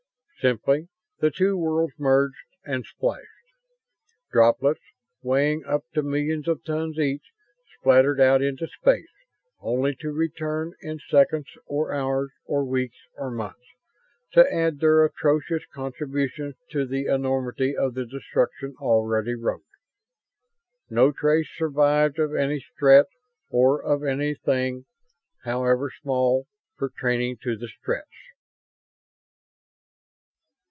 Simply, the two worlds merged and splashed. Droplets, weighing up to millions of tons each, spattered out into space; only to return, in seconds or hours or weeks or months, to add their atrocious contributions to the enormity of the destruction already wrought. No trace survived of any Strett or of any thing, however small, pertaining to the Stretts.